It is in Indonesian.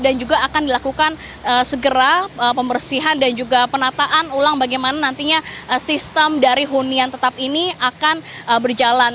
dan juga akan dilakukan segera pembersihan dan juga penataan ulang bagaimana nantinya sistem dari hunian tetap ini akan berjalan